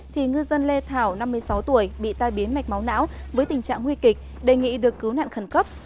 thì ngư dân lê thảo năm mươi sáu tuổi bị tai biến mạch máu não với tình trạng nguy kịch đề nghị được cứu nạn khẩn cấp